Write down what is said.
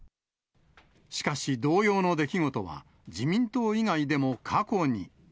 しかし、同様の出来事は、自民党以外でも過去に。